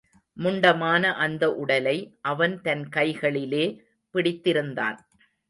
முண்டமான அந்த உடலை அவன் தன் கைகளிலே பிடித்திருந்தான்.